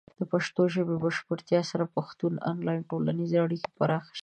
د پښتو ژبې د بشپړتیا سره، د پښتنو آنلاین ټولنیزې اړیکې پراخه شي.